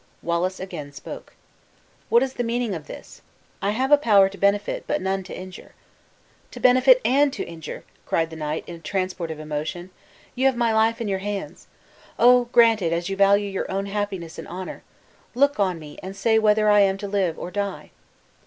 Wallace again spoke. "What is the meaning of this? I have a power to benefit, but none to injure." "To benefit and to injure!" cried the knight, in a transport of emotion; "you have my life in your hands. Oh! grant it, as you value your own happiness and honor! Look on me and say whether I am to live or die."